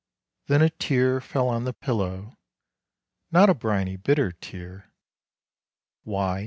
Then a tear fell on the pillow, not a briny, bitter tear, Why?